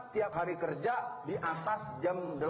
tiap hari kerja di atas jam delapan